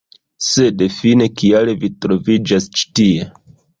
Sed fine kial vi troviĝas ĉi tie?